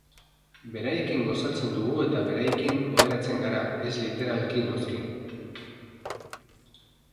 Beraiekin gosaltzen dugu eta beraiekin oheratzen gara, ez literalki, noski.